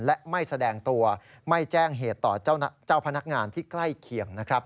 และไม่แสดงตัวไม่แจ้งเหตุต่อเจ้าพนักงานที่ใกล้เคียงนะครับ